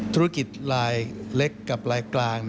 ธุรกิจลายเล็กกับลายกลาง